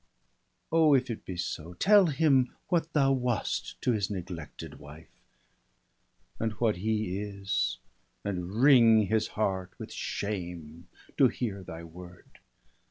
Oh, if it be so, tell him what thou wast To his neglected wife, and what ,he is, And wring his heart with shame, to hear thy word